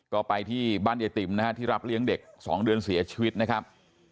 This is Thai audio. ก็ไปที่บ้านยายติ๋มนะฮะที่รับเลี้ยงเด็ก๒เดือนเสียชีวิตนะครับ